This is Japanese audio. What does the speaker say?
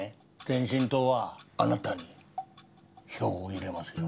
前進党はあなたに票を入れますよ。